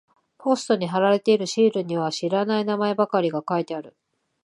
ポストに貼られているシールには知らない名前ばかりが書いてある。